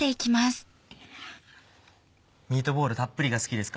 ミートボールたっぷりが好きですか？